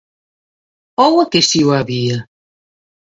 ¿Ou é que si o había?